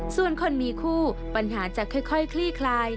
ส่วนคนมีคู่ปัญหาจะค่อยคลี่คลาย